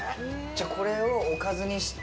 これをおかずにして